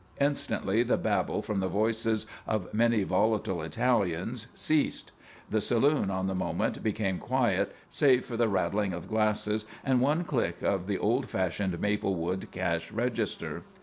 Instantly the babble from the voices of many volatile Italians ceased. The saloon on the moment became quiet, save for the rattling of glasses and one click of the old fashioned maplewood cash register.